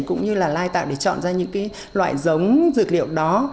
cũng như là lai tạo để chọn ra những cái loại giống dược liệu đó